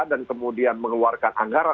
dan kemudian mengeluarkan anggaran